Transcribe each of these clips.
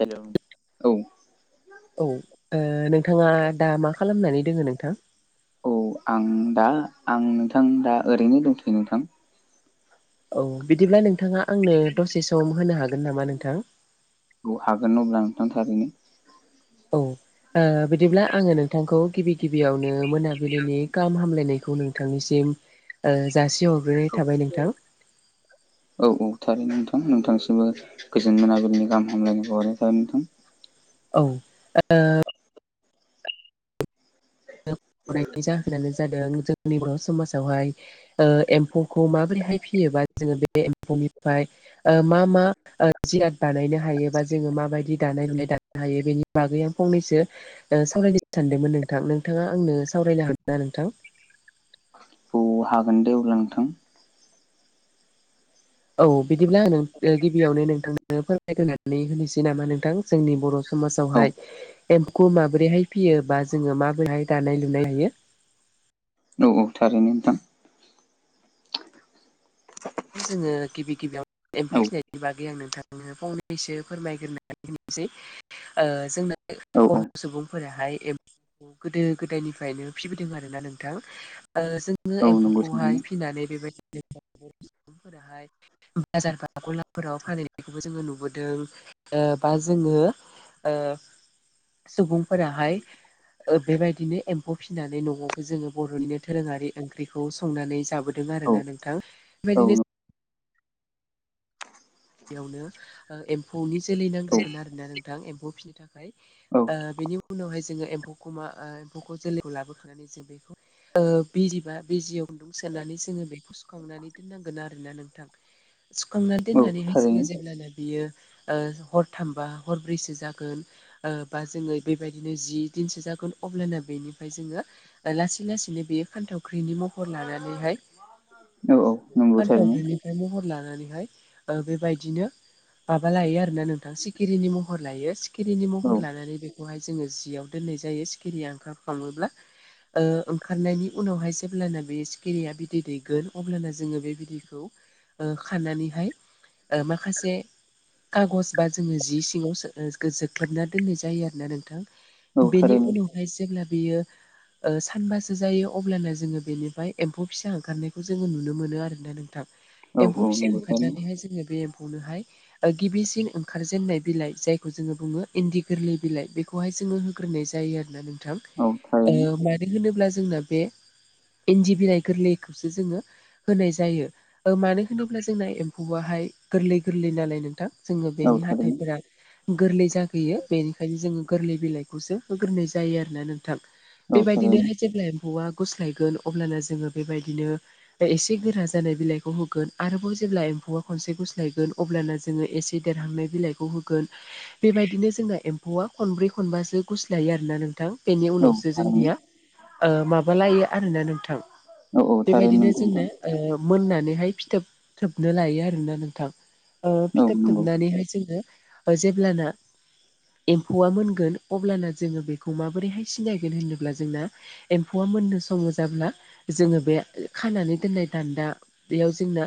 हेल' औ औ ओ नोंथाङा दा मा खालामनानै दोङो नोंथां? औ आं दा आं नोंथां दा ओरैनो दंथैयो नोंथां। औ बिदिब्ला नोंथाङा आंनो दसे सम होनो हागोन नामा नोंथां? औ हागोन अब्ला नोंथां थारैनो औ ओ बिदिब्ला आङो नोंथांखौ गिबि गिबियावनो मोनाबिलिनि गाहामलायनायखौ नोंथांनिसिम जासिहरग्रोनाय थाबाय नोंथां। औ औ थारै नोंथां नोंथांसिबो गोजोन मोनाबिनि गाहामलायनायखौ हरनाय थाबाय नोंथां। औ ओ जाहोनानो जादों जोंनि बर' समाजावहाय एम्फौखौ माबोरै हाय फिसियोबा जोङो बे एम्फौनिफ्राय ओ मा मा जियाद बानायनो हायो बा जोङो माबायदि दानाय लुनाय दानो हायो बेनि बागै आं फंनैसो सावरायनो सानदोंमोन नोंथां नोंथाङा आंनो सावरायनो हागोन ना नोंथां हागोन दे अब्ला नोंथां औ बिदिब्ला गिबियावनो नोंथांनो फोरमायग्रानै होनोसै नामा नोंथां जोंनि बर' स औ समाजावहाय एम्फौ माबोरैहाय फियोबा जोङो माबोरैहाय दानाय लुनाय हायो? औ औ थारैनो नोंथां जोङो गिबि गिबियाव एम्फौ औ फिसिनायनि बागै आं नोंथां आङो फंनैसो फोरमायग्रोना होनोसै जोंना औ बर' सुबुं फोराहाय एम्फौखौ गोदो गोदायनिफ्रायनो फिबोदों आरोना नोंथां नोङो औ औ नंगौ एम्फौखौहाय थारैनो फिनानै बेबायदिनो [unintelligible] बाजार बा गलाफोराव फानहैनायखौबो जोङो नुबोदों बा जोङो ओ सुबुंफोराहाय बेबायदिनो एम भ फिसिनानै न'आवबो जोङो बर'निनो दोरोङारि ओंख्रिखौ संनानै जाबोदों औ आरोना नोंथां। बेबायदिनो औ बेयावनो ओ एम्फौनि जोलै नांग्रोगोन आरोना नोंथां एम्फौ फिसिनो थाखाय बेनि उनावहाय जोङो एम्फौखौ मा ओ एम्फौखौ जोलैखौ लाबोखांनानै जों बेखौ ओ बिजिबा बिजियाव गुन्दुं सोनानै जोङो बेखौ सुखांना नानै दोननांगोन आरोना नोंथां सुखांना औ दोननानैहाय थारैनो होमब्लाना बियो ओ हरथामबा हरब्रैसो जागोन। ओ बा जोङो बेबायदिनो जि दिनसो जागोन अब्लाना बेनिफ्राय जोङो लासै लासै बेयो फान्थावख्रिनि महर लानानैहाय औ औ नंगौ थारैनो फान्थावग्रिनिफ्राय महर लानानैहाय ओ बे बेबायदिनो माबा लायो आरोना नोंथां सिखिरिनि महर लायो सिखिरिनि औ महर लानानै बेखौहाय जोङो जियाव दोननाय जायो सिखिरिया ओंखार खाङोब्ला ओ ओंखारनायनि उनावहाय जेब्लाना बे सिखिरिया बिदै दैगोन अब्लाना जोङो बे बिदैखौ ओ खानानैहाय ओ माखासे कागज बा जोङो जि सिङाव सो जोख्लोबना दोननाय जायो आरोना औ नोंथां। बेनि थारैनो उनावहाय जेब्ला बेयो ओ सानबासो जायो अब्लाना जोङो बेनिफ्राय एम्फौ फिसा ओंखारनायखौ जोङो नुनो मोनो आरोना नों औ एम्फौ औ फिसा नंगौ थारैनो ओंखारनानैहाय जोङो बे एम्फौनोहाय गिबिसिन ओंखारजेननाय बिलाइ जायखौ जोङो बुङो इन्दि गोरलै बिलाइ बे खौहाय जोङो होग्रोनाय जायो आरोना नोंथां ओ होनोब्ला जोंना बे इन्दि बिलाइ गोरलैखौसो जोङो होनाय जायो। ओ मानो होनोब्ला जोंना एम्फौआहाय गोरलै गोरलै नालाय नोंथां जोङो औ थारैनो औ बेनि थारैनो हाथाइफोरा गोरलै जागोयो बेनिखायनो जोङो गोरलै बिलाइखौसो होग्रोनाय जायो आरोना नोंथां। औ थारैनो बेबायदिनोहाय जेब्ला एम्फौआ गुस्लायगोन अब्लानो जोङो बेबायदिनो एसे गोरा जानाय बिलाइखौ होगोन आरोबाव जेब्ला एम्फौआ खनसे गुस स्लायगोन अब्लानो जोङो एसे देरहांनाय बिलाइखौ होगोन बेबायदिनो जोंना एम्फौआ खनब्रै खनबासो गुस्लायो आरोना नोंथां बेनि औ उनावसो थारैनो जोंनिया ओ माबालायो आरोना नोंथां औ औ थारैनो बेबायदिनो नंगौ नोंथां जोंनो ओ मोननानैहाय फिथोब थोबनो लायो आरोना नोंथां। ओ औ फिथोब नंगौ थोबनानैहाय जोङो जेब्लाना एम्फौआ मोनगोन अब्लाना जोङो बेखौ माबोरैहाय सिनायगोन होनोब्ला जोंना एम्फौआ मोननो सङो जाब्ला जोङो बे खानानै दोननाय दान्दा बेयाव जोंना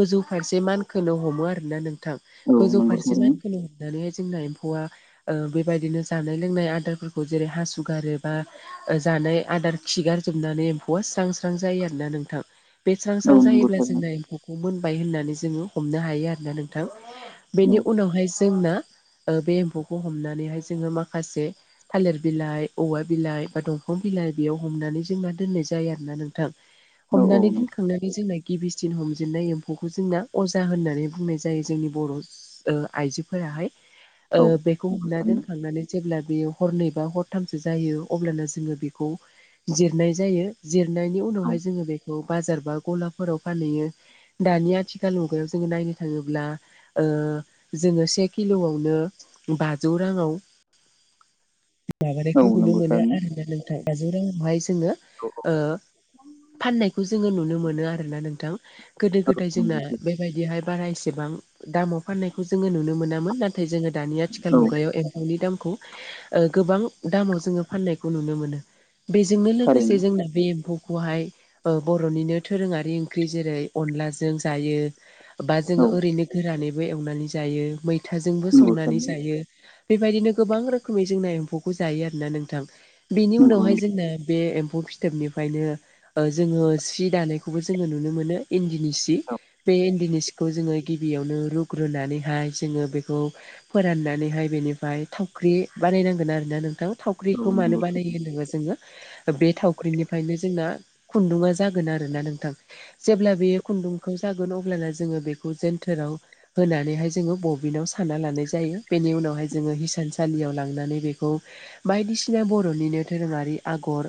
गोजौ फारसे मान खोनो हमो आरोना नोंथां औ गोजौ नंगौ फारसे थारैनो मानखोनो हमनानैहाय जोंना एम्फौआ ओ बेबायदिनो जानाय लोंनाय आदारफोरखौ जेरै हासु गारोबा जानाय आदार खिगार जोबनानै एम्फौआ स्रां स्रां जायो आरोना नोंथां बे स्रां स्रां औ नंगौ जायोब्ला थारैनो जोंना एम्फौखौ मोनबाय होननानै जोङो हमनो हायो आरोना नोंथां बेनि औ उनावहाय जोंना बे एम्फौखौ हमनानैहाय जोङो माखासे थालिर बिलाइ औवा बिलाइ बा दंफां बिलाइ बेयाव हमनानै जोंना दोननाय जायो आरोना नोंथां। औ औ हमनानै दोनखांनानै जोंना गिबिसिन हमजेननाय एम्फौखौ जोंना अजा होननानै बुंनाय जायो जोंनि बर' ओ आइजोफोराहाय। ओ नंगौ बेखौ औ नंगौ हमना थारैनो दोनखांनानै जेब्ला बेयो हरनैबा हरथामसो जायो अब्लानो जोङो बेखौ जिरनाय जायो। जिरनायनि उनावहाय औ जोङो बेखौ बाजार बा गलाफोराव फानहैयो दानि आथि खाल मुगायाव जोङो नायनो थाङोब्ला ओ जोङो से किल'आवनो बाजौ राङाव औ माबानायखौ नुनो नंगौ मोनो थारैनो आरोना नोंथां बाजौ राङावहाय जोङो ओ फाननायखौ जोङो नुनो मोनो आरोना नोंथां गोदो गोदाय जोंना। नंगौ बेबायदिहाय बारा एसेबां दामाव फाननायखौ जोङो नुनो मोनामोन। नाथाय जोङो दानि आथिखाल थारैनो। औ मुगायाव एम्फौनि दामखौ ओ गोबां दामाव जोङो फाननायखौ नुनो मोनो। बेजोंनो लोगोसे थारैनो जोंना बे एम्फौ बेखौहाय बर'निनो दोरोङारि ओंख्रि जेरै अनलाजों जायो। बा जोङो औ ओरैनो गोरानैबो एवनानै जायो मैथाजोंबो नंगौ संनानै थारैनो जायो। बेबायदिनो गोबां रोखोमै जोंना एम्फौखौ जायो आरो ना नोंथां। बिनि नंगौ नंगौ उनावहाय जोंना बे एम्फौ फि थोबनिफ्रायनो ओ जोङो सि दानायखौबो जोङो नुनो मोनो इन्दिनि सि। औ बे इन्दिनिसखौ जोङो गिबियावनो रुग्रोनानैहाय जोङो बेखौ फोराननानैहाय बेनिफ्राय थावख्रि बानायनांगोन आरोना नोंथां। औ थावख्रिखौ मानो नंगौ बानायो होन जोङो बे थावख्रिनिफ्रायनो जोंना खुन्दुंङा जागोन आरोना नोंथां। जेब्ला बेयो खुन्दुंखौ जागोन अब्लाना जोङो बेखौ जेन्थोराव होनानैहाय जोङो बबिनाव साना लानाय जायो बेनि उनावहाय जोङो हिसानसालियाव लांनानै बेखौ बायदिसिना बर'निनो धोरोङारि आगर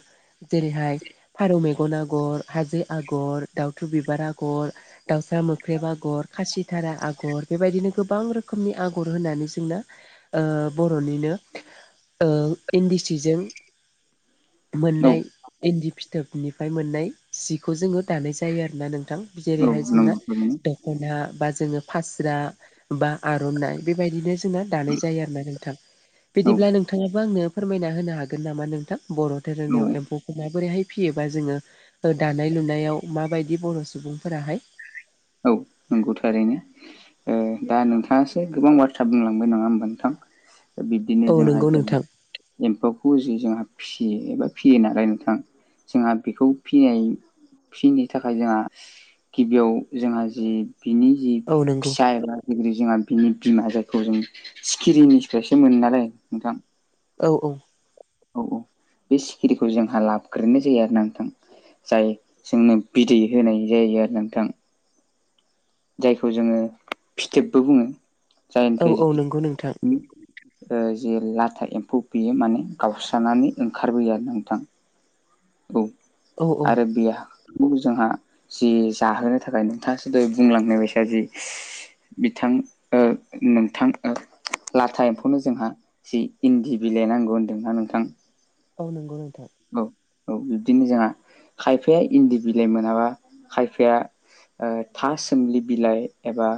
जेरैहाय फारौ मेगन आगर, हाजो आगर, दाउथु बिबार आगर। दाउसा मोख्रेब आगर खासिथारा आगर बेबायदिनो गोबां रोखोमनि आगर होनानै जोंना ओ बर'निनो ओ इन्दि सिजों थारैनो। मोननाय औ इन्दि फिथोबनिफ्राय मोननाय सिखौ जोङो दानाय जायो आरो ना नोंथां। औ जेरैहाय जोंना नंगौ थारैनो औ दख'ना बा जोङो फास्रा बा आर'नाय बेबायदिनो दानाय जायो आरोना नोंथां। बिदिब्ला नोंथांआबो आंनो फोरमायना होनो हागोन नामा नोंथां बर' धोरोमनियाव एम्फौ माबोरैहाय फियोबा जोङो ओ दानाय लुनायाव माबायदि बर' सुबुंफोराहाय नंगौथारैनो। ओ दा नोंथाङासो गोबां बाथ्रा बुंलांबाय नङा होमबा नोंथां? बिब्दिनो औ जोंहा नंगौ नोंथां [unintelligible] एम्फौखौ जि जोंहा फियो एबा फियो नालाय नोथां। जोंहा बेखौ फिनाय फिनो थाखाय जोंहा गिबियाव जोंहा जि बिनि जि औ नंगौ फिसा एबा जोंहा बिनि बिमा जायखौ जों सिखिरिनिसफ्रायसो मोनो नालाय नोंथां? औ-औ। औ-औ बे सिखिरिखौ जोंहा लाबग्रोनाय जायो आरो नोंथां। जाय जोंनो बिदै होनाय जायो आरो नोंथां। जायखौ जोङो फिथोबबो बुङो औ जायनिफ्राय औ नंगौ नोंथां ओ जे लाथा एम्फौ बेयो माने गावस्रानानै ओंखारबोयो आरो नोंथां। औ औ औ आरो बेहा जोंहा जि जाहोनो थाखाय नोंथाङासो दहाय बुंलांनाय बायसा जि बिथां ओ नोंथां ओ लाथा एम्फौनो जोंहा जि इन्दि बिलाइ नांगौ होन्दोंना नोंथां? औ नंगौ नोंथां। औ-औ बिब्दिनो जोंहा खायफाया इन्दि बिलाइ मोनाबा खायफाया ओ था सोमलि बिलाइ एबा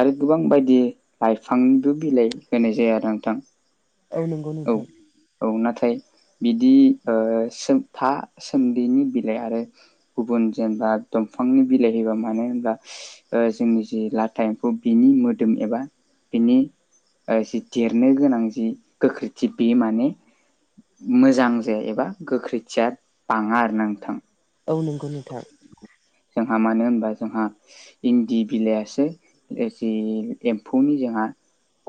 आरो गोबां बायदि लाइफांनिबो बिलाइ होनाय जाया आरो नोंथां। औ नंगौ औ नोंथां। औ नाथाय बिदि ओ सोम था सोमब्लिनि बिलाइ आरो गुबुन जेनबा दंफांनि बिलाइ होयोबा मानो होनब्ला ओ जोंनि जि लाटा एमखौ बिनि मोदोम एबा बिनि ओ जि देरनो गोनां जि गोख्रैथि बे माने मोजां जाया एबा गोख्रैथिया बाङा आरोना नोंथां। औ नंगौ नोंथां। जोंहा मानो होनबा जोंहा इन्दि बिलाइयासो जि एम्फौनि जोंहा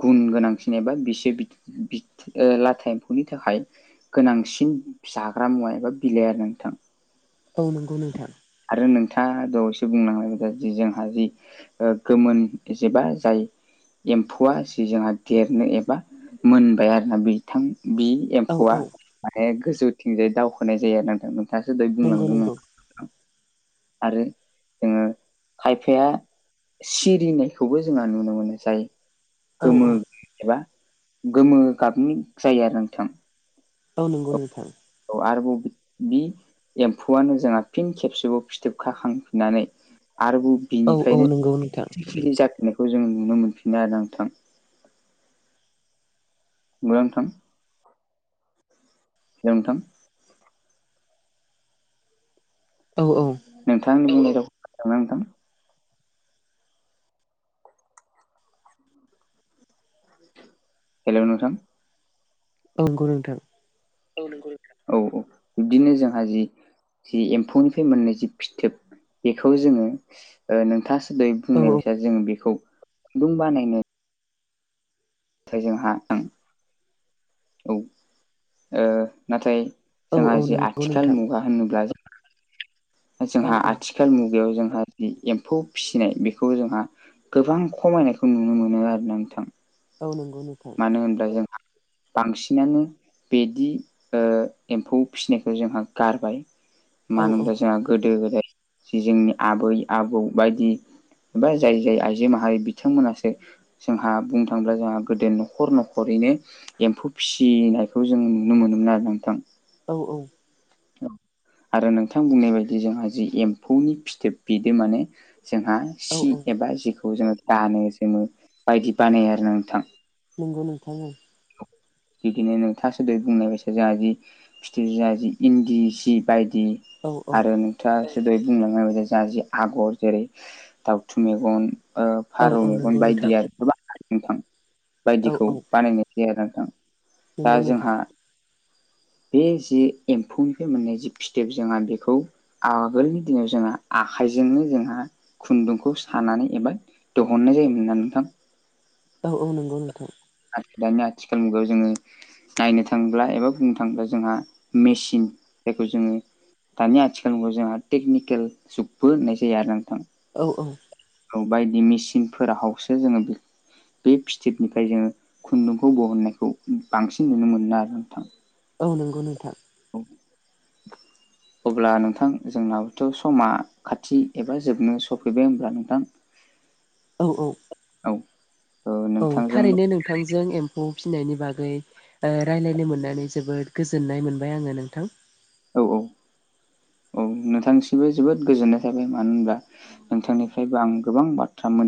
गुन गोनांसिन एबा बिसोर बि बि ओ लाथा एम्फौनि थाखाय। गोनांसिन जाग्रा मुवा एबा बिलाइ आरो नोंथां। औ नंगौ नोंथां। आरो नोंथाङा दहायसो बुंलांनाय बादि जोंहा जि ओ गोमोन जेबा जाय एम्फौआ जि जोंहा देरनो एबा मोनबाय आरो ना बिथां बे औ एम्फौआ औ माने गोजौथिंजाय दावखोनाय जायो आरो नोंथां। नोंथाङाजे दहाय नंगौ बुंलांदोंमोन। नंगौ आरो जोङो खायफाया सिरिनायखौबो जोंहा नुनो मोनो जाय औ गोमो औ एबा गोमो गाबनि जायो आरो नोंथां। औ नंगौ नोंथां। औ आरोबाव बि एम्फौआनो जोंहा फिन खेबसेबाव फिथोब खाखांफिननानै आरोबाव औ औ बिनिफ्रायनो नंगौ नोंथां सिखिरि जाफिन्नायखौ जों नुनो मोनफिनो आरोना नोंथां। नंगौ नोंथां। हेलौ नोंथां। औ औ नोंथांनि मा नोंथां हेलौ नोंथां। नंगौ नोंथां। औ औ बिब्दिनो जोंहा जि जि एम्फौनिफ्राय मोननाय जि फिथोब बेखौ जोङो ओ नोंथाङासो दहाय औ बुंनाय औ बायसा जों बेखौ खुन्दुं बानायनो नाथाय जोंहा औ ओ नाथाय औ जोंहा जे नंगौ आथिखाल नोंथां मुगा होनोब्ला जों औ जोंहा औ आथिखाल मुगायाव जोंहा जि एम्फौ फिसिनाय बेखौ जोंहा गोबां खमायनायखौ नुनो मोनो आरोना नोंथां। औ नंगौ नोंथां। मानो होनब्ला जोंहा बांसिनानो बिदि एम्फौ फिसिनायखौ जोंहा गारबाय। मानो होनब्ला जोंहा गोदो गोदाय जि जोंनि आबै आबौ बायदि एबा जाय जाय आइजो माहारि बिथांमोनहासो जोंहा बुंनो थाङोब्ला जोंहा गोदो न'खर न'खरैनो एम्फौ फिसिनायखौ जों नुनो मोनोमोन आरोना नोंथां। औ औ आरो नोंथां बुंनाय बायदि जोंहा जि एम्फौनि फिथोब बिदो माने जोंहा सि एबा जिखौ जोङो दानो जोमो बायदि बानायो आरो ना नोंथां। नंगौ नोंथां औ। बिदिनो नोंथां सोदो बुंनाय बायसा जोंहा जि फिथोब जोंहा जि इन्दि सि बायदि औ आरो नोंथाङा एसे दहाय बुंलांनाय बादि जोंहा जि आगर जेरै दाउथु मेगन ओ औ औ फारौ मेगन नंगौ बायदि नोंथां आरो गोबां नोंथां औ बायदिखौ औ बानायनाय आरोना नोंथां नंगौ दा नोंथां जोंहा बे जि एम्फौनिफ्राय मोननाय जि फिथोब जोंहा बेखौ आगोलनि दिनाव जोंहा आखाइजोंनो जोंहा खुन्दुंखौ सानानै एबा दिहुननाय जायोमोनना नोंथां। औ औ नंगौ नोंथां। आ दानि आथिखाल मुगायाव जोङो नायनो थांब्ला एबा बुंनो थाङोब्ला जोंहा मेचिन जायखौ जोङो दानि आथिखाल मुगाखौ जोंहा टेकनिकेल जुगबो होननाय जायो आरोना नोंथां। औ औ औ बायदि मिसिनफोर हावसो जोङो बे बे फिथोबनिफ्राय जोङो खुन्दुंखौ बहननायखौ बांसिन नुनो मोनो आरो नोंथां औ नोंगौ नोंथां औ अब्ला नोंथां जोंनाबोथ' समा खाथि एबा जोबनो सफैबाय होमब्ला नोंथां औ औ औ ओ औ नोंथांजों थारैनो नोंथांजों एम्फौ फिनायनि बागै रायज्लायनो मोननानै जोबोद गोजोननाय मोनबाय आङो नोंथां औ औ औ नोंथांसिबो जोबोद गोजोननाय थाबाय मानो होनब्ला नोंथांनिफ्रायबो आं गोबां बाथ्रा मोन